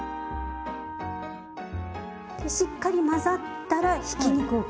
しっかり混ざったらひき肉を加えます。